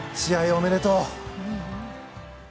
おめでとう！